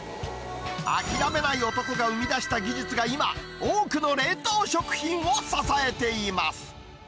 諦めない男が生み出した技術が今、多くの冷凍食品を支えています。